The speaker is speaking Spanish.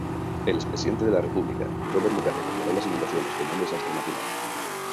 El expresidente de la República, Robert Mugabe declaró las inundaciones como un desastre nacional.